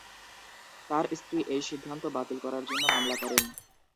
তার স্ত্রী এই সিদ্ধান্ত বাতিল করার জন্য মামলা করেন।